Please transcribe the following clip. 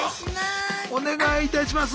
お願いいたします。